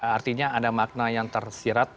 artinya ada makna yang tersirat